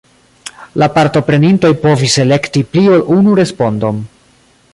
La partoprenintoj povis elekti pli ol unu respondon.